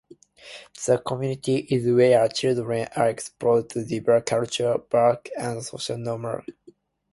The community is where children are exposed to diverse cultures, values, and social norms.